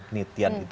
nityan itu pengen apa